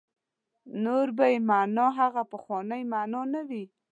نور به یې معنا هغه پخوانۍ معنا نه وي.